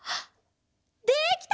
できた！